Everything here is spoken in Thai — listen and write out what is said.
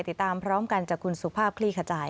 ติดตามพร้อมกันจากคุณสุภาพคลี่ขจาย